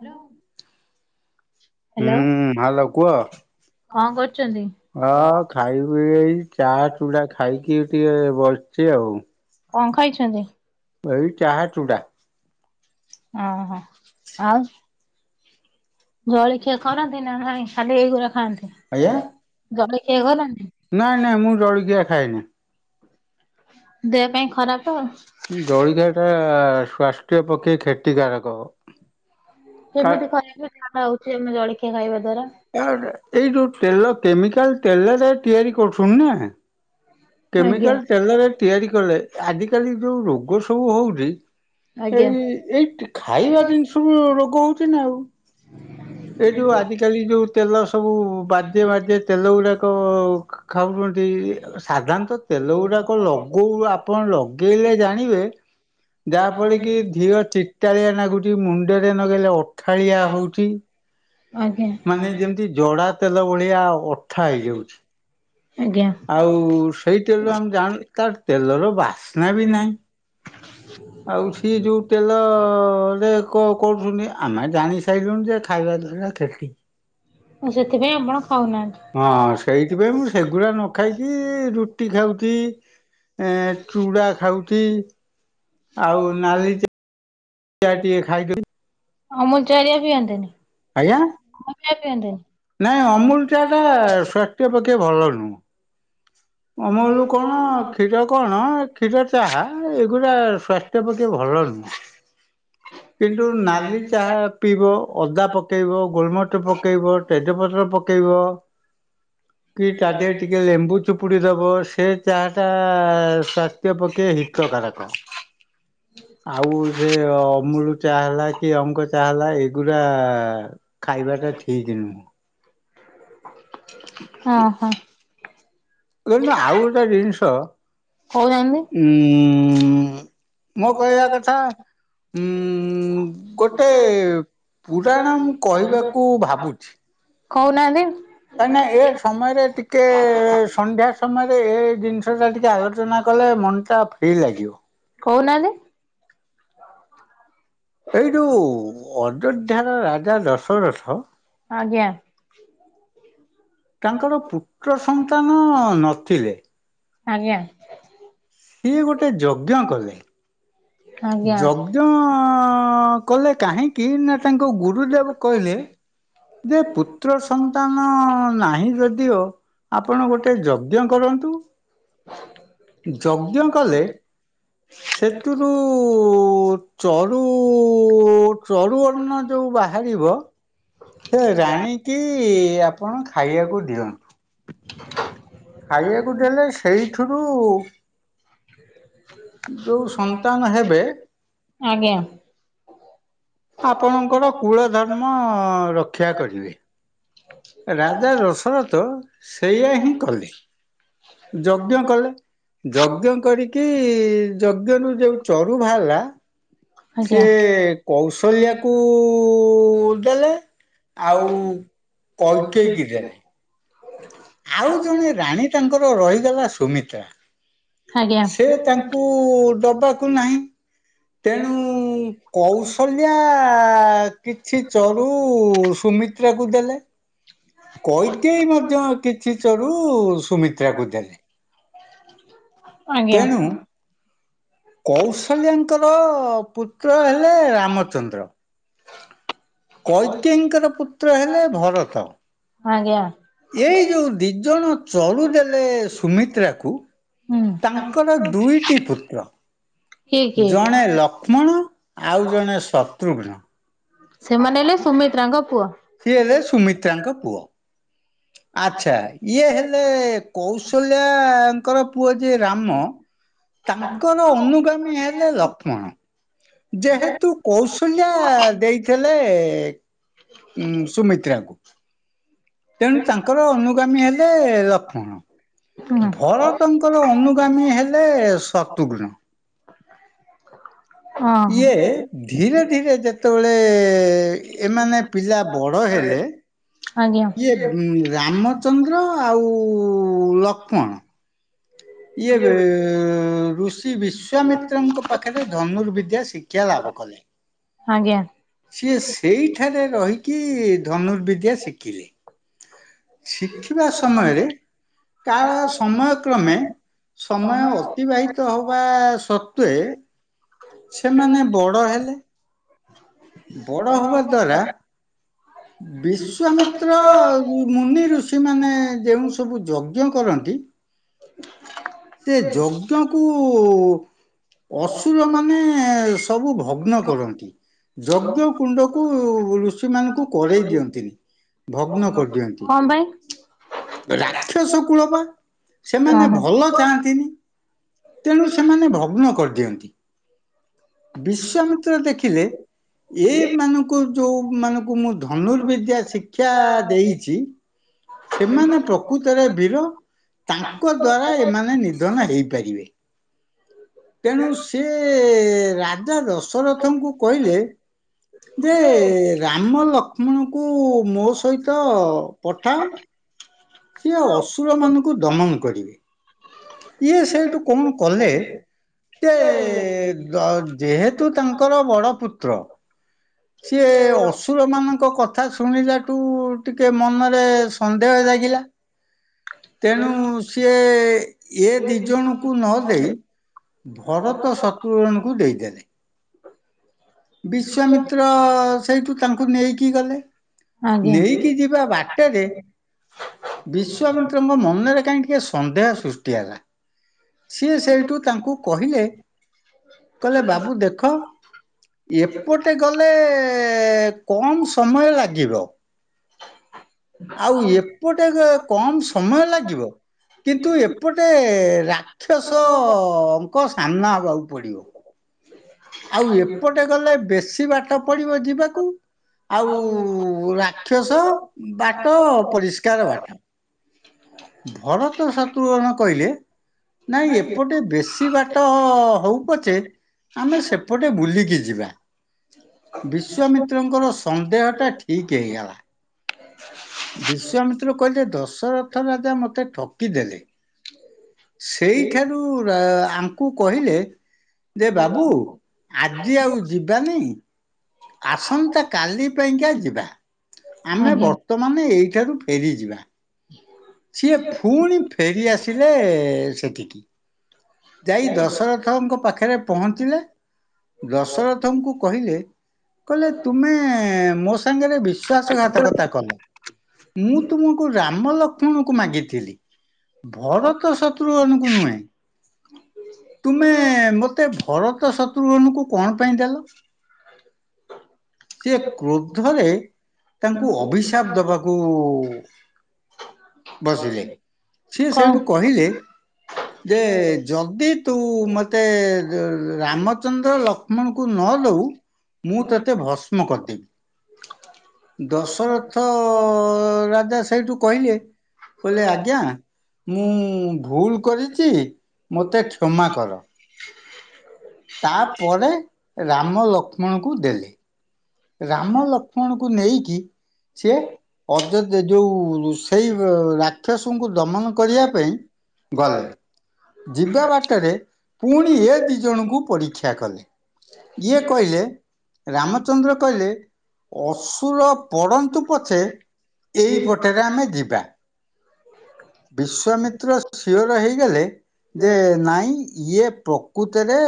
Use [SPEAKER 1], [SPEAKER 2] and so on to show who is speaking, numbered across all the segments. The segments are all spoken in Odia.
[SPEAKER 1] ହ୍ୟାଲୋ ହ୍ୟାଲୋ
[SPEAKER 2] ହୁଁ ହ୍ୟାଲୋ କୁହ?
[SPEAKER 1] କଣ କରୁଛନ୍ତି?
[SPEAKER 2] ହଁ ଖାଇବି ଏଇ ଚା, ଚୁଡା ଖାଇକି ଟିକେ ବସିଛି ଆଉ।
[SPEAKER 1] କଣ ଖାଇଛନ୍ତି?
[SPEAKER 2] ଏଇ ଚାହା ଚୁଡ଼ା।
[SPEAKER 1] ଓ ହୋ ଆଉ। ଜଳଖିଆ ଖାଉନାହାନ୍ତି ନା ନାଇଁ ଖାଲି ଏଇଗୁଡ଼ା ଖାଆନ୍ତି?
[SPEAKER 2] ଆଜ୍ଞା।
[SPEAKER 1] ଜଳଖିଆ ଖାଉ ନାହାନ୍ତି?
[SPEAKER 2] ନାଇଁ ନାଇଁ ମୁଁ ଜଳିଖିଆ ଖାଏନି।
[SPEAKER 1] ଦେହ ପାଇଁ ଖରାପ।
[SPEAKER 2] ଜଳିଖିଆ ଟା ସ୍ୱାସ୍ଥ୍ୟ ପକ୍ଷେ କ୍ଷତିକାରକ। କା
[SPEAKER 1] କେମିତି [unintelligible] ହଉଛି ଆମେ ଜଳଖିଆ ଖାଇବା। ଦ୍ଵାରା
[SPEAKER 2] ଆ ଏଇ ଯୋଉ ତେଲ କେମିକାଲ ତେଲରେ ତିଆରି କରୁଛନ୍ତି ନା?
[SPEAKER 1] ଆଜ୍ଞା
[SPEAKER 2] କେମିକାଲ ତେଲରେ ତିଆରି କଲେ ଆଜିକାଲି ଯୋଉ ରୋଗ ସବୁ ହଉଛି।
[SPEAKER 1] ଆଜ୍ଞା
[SPEAKER 2] ଏଇ ଏଇଟି ଖାଇବା ଜିନିଷ କୁ ରୋଗ ହଉଛି ନା ଆଉ। ଏଇ ଯୋଉ ଆଜିକାଲି ଯୋଉ ତେଲ ସବୁ ବାଜେ ବାଜେ ତେଲ ଗୁଡାକ ଖାଉଛନ୍ତି ସାଧାରଣତଃ ତେଲ ଗୁଡାକ ଲଗଉ ଆପଣ ଲଗେଇଲେ ଜାଣିବେ ଯାହାଫଳ କି ଦିଅ ଚିଟାଳିଆ ନାଗୁଛି ମୁଣ୍ଡରେ ନଗେଇଲେ ଅଠାଳିଆ ହଉଛି।
[SPEAKER 1] ଆଜ୍ଞା
[SPEAKER 2] ମାନେ ଯେମିତି ଜଡା ତେଲ ଭଳିଆ ଅଠା ହେଇଯାଉଛି।
[SPEAKER 1] ଆଜ୍ଞା
[SPEAKER 2] ଆଉ ସେଇ ତେଲରୁ ଆମେ ଜାଣୁଛୁ ତାର ତେଲର ବାସ୍ନା ବି ନାହିଁ। ଆଉ ସିଏ ଯୋଉ ତେଲରେ କଣ କରୁଛନ୍ତି ଆମେ ଜାଣି ସାରିଲୁଣି ଯେ ଖାଇବା। [unintelligible]
[SPEAKER 1] ଆଉ ସେଥିପାଇଁ ଆପଣ ଖାଉନା
[SPEAKER 2] ହଁ ସେଇଥିପାଇଁ ମୁଁ ସେଗୁଡା ନ ଖାଇକି ରୁଟି ଖାଉଛି। ଏ ଚୁଡ଼ା ଖାଉଛି। ଆଉ ନାଲି ଚା ଚା ଟିକେ ଖାଇଦଏ।
[SPEAKER 1] ଅମୁଲ ଚା ହେରିକା ପିଅନ୍ତିନି
[SPEAKER 2] ଆଜ୍ଞା।
[SPEAKER 1] ଅମୁଲ ଚା ପିଅନ୍ତିନି?
[SPEAKER 2] ନାଇଁ ଅମୁଲ ଚା ଟା ସ୍ୱାସ୍ଥ୍ୟ ପକ୍ଷେ ଭଲ ନୁହଁ। ମୁଲ କଣ କ୍ଷୀର କଣ କ୍ଷୀର ଚାହା ଏଗୁଡା ସ୍ଵାସ୍ଥ୍ୟ ପକ୍ଷେ ଭଲ ନୁହଁ। କିନ୍ତୁ ନାଲି ଚାହା ପିଇବ ଅଦା ପକା ପକେଇବ, ଗୋଲମରିଚ ପକେଇବ, ତେଜପତ୍ର ପକେ କେଇବ କି ତା ଦେହରେ ଟିକେ ଲେମ୍ବୁ ଚି ଚୁପୁଡି ଦବ ସେ ଚାହା ଟା ସ୍ୱାସ୍ଥ୍ୟ ପକ୍ଷେ ହିତକାରକ। ଆଉ ସେ ଅମୁଲ ଚାହା ହେଲା କି ଅଙ୍କ ଚା ହେଲା। ଏଇଗୁଡା ଖାଇବା ଟା ଠିକିନୁହଁ
[SPEAKER 1] [unintelligible] ହଁ ହ
[SPEAKER 2] କଣ ନା ଆଉ ଗୋଟେ ଜିନିଷ
[SPEAKER 1] କହୁନାହାନ୍ତି
[SPEAKER 2] ଉଁ ମୋ କହିବା କଥା ଉଁ ଗୋଟେ ପୁରାଣ ମୁଁ କହିବାକୁ ଭାବୁଛି।
[SPEAKER 1] କହୁନାହାନ୍ତି।
[SPEAKER 2] କାହିଁକିନା ଏ ସମୟରେ ଟିକେ ସନ୍ଧ୍ୟା ସମୟରେ ଏ ଜିନିଷ ଟା ଟିକେ ଆଲୋଚନା କ କଲେ ମନ ଟା ଫ୍ରୀ ଲାଗିବ।
[SPEAKER 1] କହୁନାହାନ୍ତି।
[SPEAKER 2] ଏଇ ଯଉ ଅଯୋଧ୍ୟାର ରାଜା ଦଶରଥ।
[SPEAKER 1] ଆଜ୍ଞା।
[SPEAKER 2] ତାଙ୍କର ପୁତ୍ର ସନ୍ତାନ ନଥିଲେ।
[SPEAKER 1] ଆଜ୍ଞା।
[SPEAKER 2] ସିଏ ଗୋଟେ ଯଜ୍ଞ କଲେ।
[SPEAKER 1] ଆଜ୍ଞା
[SPEAKER 2] ଯଜ୍ଞ ଅ ଅ ଅ କଲେ କାହିଁକି ନା ତାଙ୍କୁ ଗୁରୁଦେବ କହିଲେ ଯେ ପୁତ୍ର ସନ୍ତାନ ନାହିଁ ଯଦିଓ ଆପଣ ଗୋଟେ ଯଜ୍ଞ କରନ୍ତୁ ଯଜ୍ଞ କଲେ। ସେଥିରୁ ଚରୁ ଚରୁୁ ଅନ୍ନ ଯୋଉ ବାହାରିବ। ହେ ରାଣୀ କିି ଆପଣ ଖାଇବାକୁ ଦିଅନ୍ତୁ। ଖାଇବାକୁ ଦେଲେ ସେଇଥିରୁ ଯୋଉ ସନ୍ତାନ ହେବେ
[SPEAKER 1] ଆଜ୍ଞା।
[SPEAKER 2] ଆପଣଙ୍କର କୁଳ ଧର୍ମ ରକ୍ଷା କରିବେ। ରାଜା ଦଶରଥ ସେଇୟା ହିଁ କଲେ। ଯଜ୍ଞ କଲେ। ଯଜ୍ଞ କରିକି ଯଜ୍ଞରୁୁ ଯୋଉ ଚରୁ ବାହାରିଲା ସେ
[SPEAKER 1] ଆଜ୍ଞା
[SPEAKER 2] କୌଶଲ୍ୟା କୁ ଦେଲେ ଆଉ କୈକେୟୀ କି ଦେଲେ। ଆଉ ଜଣେ ରାଣୀ ତାଙ୍କର ରହିଗଲା ସୁମିତ୍ରା।
[SPEAKER 1] ଆଜ୍ଞା
[SPEAKER 2] ସେ ତାଙ୍କୁ ଦବାକୁ ନାହିଁ ତେଣୁ କୌଶଲ୍ୟା କିଛି ଚରୁ ସୁମିତ୍ରାକୁ ଦେଲେ। କୈକେୟୀ ମଧ୍ୟ କିଛି ଚରୁ ସୁମିତ୍ରାକୁ ଦେଲେ।
[SPEAKER 1] ଆଜ୍ଞା।
[SPEAKER 2] ତେଣୁ କୌଶଲ୍ୟାଙ୍କର ପୁତ୍ର ହେଲେ ରାମଚନ୍ଦ୍ର। କୈକେଇଙ୍କର ପୁତ୍ର ହେଲେ ଭରତ। ଆଜ୍ଞା ଏଇ ଯୋଉ ଦି ଜଣ। ଚଳୁ ଦେଲେ ସୁମିତ୍ରାକୁ
[SPEAKER 1] ହୁଁ
[SPEAKER 2] ତାଙ୍କର ଦୁଇଟି ପୁତ୍ର।
[SPEAKER 1] କିଏ କିଏ?
[SPEAKER 2] ଜଣେ ଲକ୍ଷ୍ମଣ ଆଉ ଜଣେ ଶତ୍ରୁଘ୍ନ।
[SPEAKER 1] ସେମାନେ ହେଲେ ସୁମିତ୍ରାଙ୍କ ପୁଅ।
[SPEAKER 2] ସିଏ ହେଲେ ସୁମିତ୍ରାଙ୍କ ପୁଅ। ଆଛା ଇଏ ହେଲେ କୌଶଲ୍ୟାଙ୍କର ପୁଅ ଯିଏ ରାମ। ତାଙ୍କର ଅନୁଗାମୀ ହେଲେ ଲକ୍ଷ୍ମଣ। ଯେହେତୁ କୌଶଲ୍ୟା ଆ ଦେଇଥିଲେ। ଉଁ ସୁମିତ୍ରାଙ୍କୁ ତେଣୁ ତାଙ୍କର ଅନୁଗାମୀ ହେଲେ ଲକ୍ଷ୍ମଣ
[SPEAKER 1] ହୁଁ
[SPEAKER 2] ଭରତଙ୍କର ଅନୁ ଗାମୀ ହେଲେ ଶତୁଘ୍ନ।
[SPEAKER 1] ଓହୋ।
[SPEAKER 2] ଇଏ ଧୀରେ ଧୀରେ ଯେତେବେଳେ ଏମାନେ ପିଲା ବଡ଼ ହେଲେ ଆଜ୍ଞା ଇଏ ବି ରାମ ଚନ୍ଦ୍ର ଆଉ ଲକ୍ଷ୍ମଣ ଇଏ ରେ ୠଷି ବିଶ୍ଵାମିତ୍ରଙ୍କ ପାଖରେ ଧନୁର୍ବିଦ୍ୟା ଶିକ୍ଷା ଲାଭ କଲେ।
[SPEAKER 1] ଆଜ୍ଞା।
[SPEAKER 2] ସିଏ ସେଇଠାରେ ରହିକି ଧନୁର୍ବିଦ୍ୟା ଶିଖିଲେ। ଶିଖିବା ସମୟରେ କାଳ ସମୟ କ୍ରମେ ସମୟ ଅତିବାହିତ ହବା ସତ୍ୱେ ସେମାନେ ବଡ଼ ହେଲେ। ବଡ ହବା ଦ୍ଵାରା ବିଶ୍ଵାମିତ୍ର କୁ ମୁ ମୁନିଋଷିମାନେ ଯେଉଁ ସବୁ ଯଜ୍ଞ କରନ୍ତି ସେ ଯଜ୍ଞକୁ ଅସୁର ମାନେ ସବୁ ଭଗ୍ନ କରନ୍ତି ଯଜ୍ଞ କୁଣ୍ଡକୁ ୠଷିମାନଙ୍କୁ କରେଇ ଦିଅନ୍ତିନି ଭଗ୍ନ କରିଦିଅନ୍ତି।
[SPEAKER 1] କଣ ପାଇଁ
[SPEAKER 2] ରାକ୍ଷସ କୂଳ ବା ସେମାନେ ଭଲ
[SPEAKER 1] ଓହୋ।
[SPEAKER 2] ଚାହାଁନ୍ତିନି। ତେଣୁ ସେମାନେ ଭଗ୍ନ କରିଦିଅନ୍ତି। ବିଶ୍ୱାମିତ୍ର ଦେଖିଲେ ଏଇ ମାନଙ୍କୁ ଯୋଉ ମାନଙ୍କୁ ମୁଁ ଧନୁର୍ବିଦ୍ୟା ଶିକ୍ଷା ଦେଇଛି ସେମାନେ ପ୍ରକୃତରେ ବୀର ତାଙ୍କ ଦ୍ଵାରା ଏମାନେ ନିଧନ ହେଇପାରିବେ। ତେଣୁ ସିଏ ରାଜା ଦଶ ଦଶରଥଙ୍କୁ କହିଲେ ଯେ ରାମ ଲକ୍ଷ ଲଷ୍ମଣଙ୍କୁ ମୋ ସହିତ ପଠାଅ ସିଏ ଅସୁରମାନଙ୍କୁ ଦମନ କରିବେ ଇଏ ସେଉଠୁ କଣ କଲେ ଯେ ଯ ଯେହେ ତୁ ତାଙ୍କର ବଡପୁତ୍ର। ସିଏ ଅସୁର ମାନଙ୍କ କଥା ଶୁଣିଲାଠୁ ଟିକେ ମନରେ ସନ୍ଦେହ ଜା ଲାଗିଲା। ତେଣୁ ସିଏ ଏ ଦି ଜଣଙ୍କୁ ନ ଦେଇ ଭରତ ଶତୃଘନଙ୍କୁ ଦେଇଦେଲେ। ବିଶ୍ଵାମିତ୍ର ସେଇଠୁ ତାଙ୍କୁ ନେଇକି ଗଲେ।
[SPEAKER 1] ଆଜ୍ଞା।
[SPEAKER 2] ନେଇକି ଯିବା ବା ଟେରେ ବିଶ୍ଵାମିତ୍ରଙ୍କ ମନରେ କାହିଁକି ଟିକେ ସନ୍ଦେହ ସୃଷ୍ଟି ହେଲା। ସିଏ ସେଇଠୁ ତାଙ୍କୁ କହିଲେ କହିଲେ ବାବୁ ଦେଖ ଏପଟେ ଗଲେ ଏ କମ୍ ସମୟ ଲାଗିବ। ଆଉ ଏପଟେ ଗ କମ୍ ସମୟ ଲାଗିବ କିନ୍ତୁ ଏପଟେ ରାକ୍ଷସଙ୍କ ସାମନ୍ନା ହବାକୁ ପଡିବ। ଆଉ ଏପଟେ ଗଲେ ବେଶୀ ବାଟ ପଡିବ ଯିବାକୁ ଆଉ ରାକ୍ଷସ ବାଟ ପରିଷ୍କାର ବାଟ। ଭରତ ଶତ୍ରୁଘନ କହିଲେ ନାଇଁ ଏପଟେ ବେଶୀ ବାଟ ହଉ ପଛେ ଆମେ ସେପଟେ ବୁଲିକି ଯିବା। ବିଶ୍ୱାମିତ୍ରଙ୍କର ସନ୍ଦେହଟା ଠିକ୍ ହେଇଗଲା। ବିଶ୍ଵାମିତ୍ର କହିଲେ ଦଶରଥ ରାଜା ମତେ ଠକିଦେଲେ। ସେଇ ଠାରୁ ରା ଆମ୍ ଙ୍କୁ କହିଲେ ଯେ ବାବୁ ଆଜି ଆଉ ଯିବାନି ଆସନ୍ତା କାଲି ପାଇଁକା ଯିବା ଆମେ
[SPEAKER 1] ଆଜ୍ଞା
[SPEAKER 2] ବର୍ତ୍ତମାନ ଏହି ଠାରୁ ଫେରି ଯିବା। ସିଏ ଫୁଣି ଫେରିଆସିଲେ ସେଠିକି। ଯାଇ ଦଶରଥଙ୍କ ପାଖରେ ପହଞ୍ଚିଲେ ଦଶରଥଙ୍କୁ କହିଲେ କହିଲ ତୁମେ ମୋ ସାଙ୍ଗରେ ବେଶୀ ବିଶ୍ୱାସଘାତକତା କଲ। ମୁଁ ତୁମକୁ ରାମ ଲକ୍ଷ୍ମଣଙ୍କୁ ମାଗିଥିଲି। ଭରତ ଶତ୍ରୁଘନ କୁ ନୁହେଁ। ତୁମେ ମୋ ତେ ଭରତ ଶତ୍ରୁଘନକୁ କଣ ପାଇଁ ଦେଲ? ସିଏ କ୍ରୋଧରେ ତାଙ୍କୁ ଅଭିଶାପ ଦବାକୁ ବସିଲେ। ସିଏ
[SPEAKER 1] କଣ
[SPEAKER 2] ସେଇଠୁ କହିଲେ ଯେ ଯଦି ତୁ ମତେ ରାମଚନ୍ଦ୍ର ଲକ୍ଷ୍ମଣଙ୍କୁ ନ ଦଉ? ମୁଁ ତୋତେ ଭସ୍ମ କରିଦେବି। ଦଶରଥ ରାଜା ସେ କହିଲେ କହିଲେ ଆଜ୍ଞା ମୁଁ ଭୁଲ୍ କରିଚି। ମୋତେ କ୍ଷମା କର। ତାପରେ ରାମ ଲକ୍ଷ୍ମଣକୁ ଦେଲେ। ରାମ ଲକ୍ଷ୍ମଣକୁ ନେଇକି ସିଏ ଅଯୋଯ ଯୋଉ ରୋଷେଇ ବ ରାତ୍ ରାକ୍ଷାସଙ୍କୁ ଦମନ କରିବା ପାଇଁ ଗଲେ। ଯିବା ବାଟରେ ପୁଣି ଏ ଦିଇଜଣଙ୍କୁ ପରୀକ୍ଷା କଲେ। ଇଏ କହିଲେ ରାମ ଚନ୍ଦ୍ର କହିଲେ ଅସୁର ପଡନ୍ତୁ ପଛେ ଏଇପଟେରେ ଆମେ ଯିବା। ବିଶ୍ଵାମିତ୍ର ସିଓର ହେଇଗଲେ ଯେ ନାଇଁ ଇଏ ପ୍ର କୂତରେ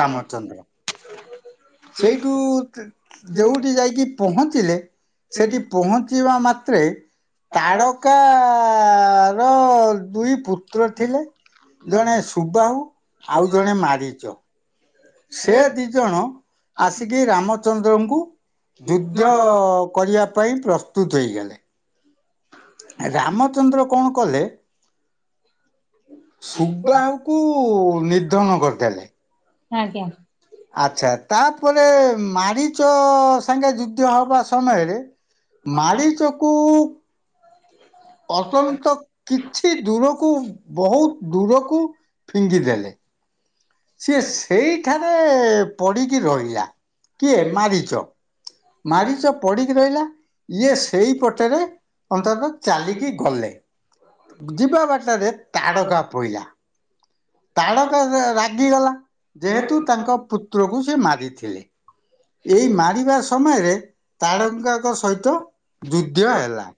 [SPEAKER 2] ରାମଚନ୍ଦ୍ର। ସେଇଠୁ ଯୋଉଠି ଯାଇକି ପହଞ୍ଚିଲେ ସେଠି ପହଞ୍ଚିବା ମାତ୍ ଏଥିରେ ତାଡକା ର ଦୁଇ ପୁତ୍ର ଥିଲେ। ଜଣେ ସୁବାହୁ ଆଉ ଜଣେ ମାରିଚ। ସେ ଦି ଜଣ ଆସିକି ରାମଚନ୍ଦ୍ରଙ୍କୁ ଯୁଦ୍ଧ କରିବା ପାଇଁ ପ୍ରସ୍ତୁତ ହେଇଗଲେ। ରାମଚନ୍ଦ୍ର କଣ କଲେ? ସୁବାହକୁ ନିର୍ଦ୍ଧନ କରିଦେଲେ।
[SPEAKER 1] ଆଜ୍ଞା।
[SPEAKER 2] ଆଚ୍ଛା ତାପରେ ମାରିଚ ସାଙ୍ଗେ ଯୁଦ୍ଧ ହବା ସମୟରେ ମାଡିଚ କୁ ଅତ୍ୟନ୍ତ କିଛି ଦୂରକୁ ବହୁତ ଦୂରକୁ ଫିଙ୍ଗିଦେଲେ। ସିଏ ସେଇଠାରେ ପଡିକି ରହିଲା। କିଏ? ମାରିଚ। ମାରିଚ ପଡିକି ରହିଲା। ଇଏ ସେଇ ପଟେରେ ଅନ୍ତତଃ ଚାଲିକି ଗଲେ। ଯିବା ବାଟରେ ତାଡକା ପଇଲା। ତାଡକା ରାଗିଗଲା ଯେହେତୁ ତାଙ୍କ ପୁତ୍ରକୁ ସେ ମାରିଥିଲେ। ଏଇ ମାରିବା ସମୟରେ ତାଡଙ୍ଗା ଙ୍କ ସହିତ ଯୁଦ୍ଧ ହେଲା।